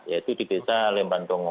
yaitu di desa lembantongo